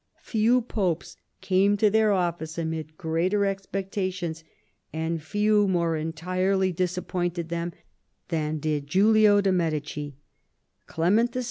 Few popes came to their oflGice amid greater expec tations, and few more entirely disappointed them than did Guilio de' Medici Clement YII.